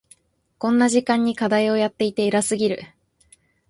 こんな時間に課題をやっていて偉すぎる。